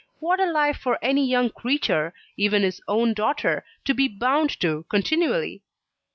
What a life for any young creature even his own daughter, to be bound to continually!